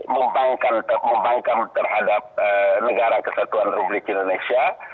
membangkan terhadap negara kesatuan rubrik indonesia